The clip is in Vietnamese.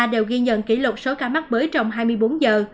đều ghi nhận kỷ lục số ca mắc mới trong hai mươi bốn giờ